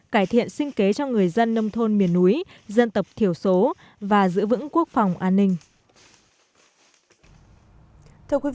cải thiện sinh kế cho người dân nông thôn miền núi dân tập thiểu số và giữ vững quốc phòng an ninh